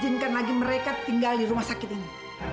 saya tidak ijinkan lagi mereka tinggal di rumah sakit ini